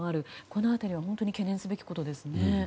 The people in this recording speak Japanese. この辺りは本当に懸念すべきことですね。